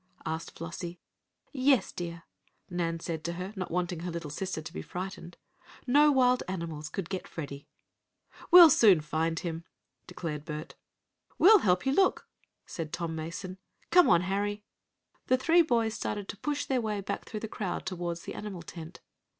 asked Flossie. "Yes, dear," Nan said to her, not wanting her little sister to be frightened. "No wild animals could get Freddie." "We'll soon find him," declared Bert. "We'll help you look," spoke Tom Mason. "Come on, Harry." The three boys started to push their way back through the crowd toward the animal tent.